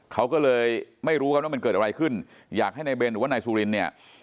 เขาก็เลยไม่รู้กันว่ามันเกิดอะไรขึ้นอยากให้นายเบนหรือว่านายสุรินเนี่ย